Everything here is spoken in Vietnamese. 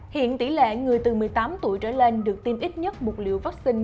hiện tỷ lệ người từ một mươi tám tuổi trở lên được tiêm ít nhất một liều vaccine